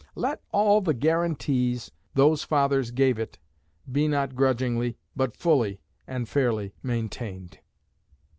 Let all the guarantees those fathers gave it be not grudgingly but fully and fairly maintained.